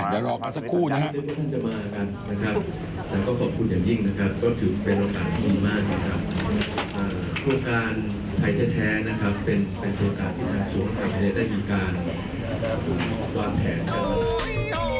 อ่ะเดี๋ยวรอกันสักครู่นะครับ